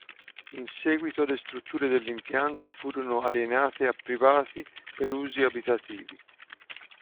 In seguito le strutture dell'impianto furono alienate a privati per usi abitativi.